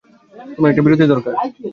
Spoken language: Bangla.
তোমার একটা বিরতি দরকার।